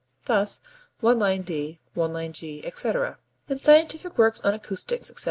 Thus one lined D, one lined G, etc. In scientific works on acoustics, etc.